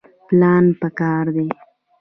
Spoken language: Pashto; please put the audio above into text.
پلان پکار دی